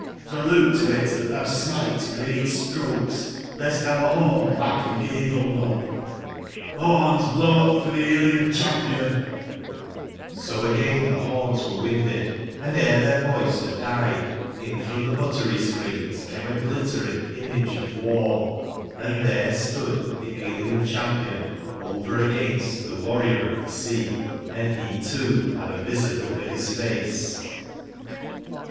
So look to it that thou smite great strokes, lest our hall lack a gable knop. Horns, blowup forthealien cbampion f'i^So again tbe horns were winded; and ere their voice bad died, in from the buttery screens came a glittering image of war, and there stood tbe alien champion over against the warrior of the sea; and he too had a vizard over his face.